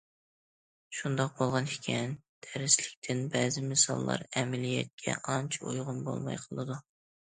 شۇنداق بولغانىكەن، دەرسلىكتىن بەزى مىساللار ئەمەلىيەتكە ئانچە ئۇيغۇن بولماي قالىدۇ.